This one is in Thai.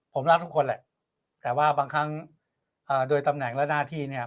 ผมรักทุกคนแหละแต่ว่าบางครั้งโดยตำแหน่งและหน้าที่เนี่ย